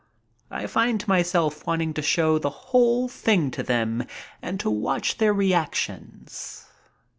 I find myself wanting to show the whole thing to them and to watch their reactions.